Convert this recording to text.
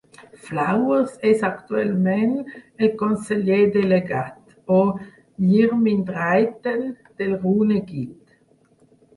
Flowers és actualment el conseller delegat, o "Yrmin-Drighten", del Rune-Gild.